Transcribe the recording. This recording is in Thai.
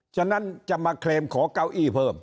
ฉะนั้นจะมาเคลมขอเก้าอี้เพิ่ม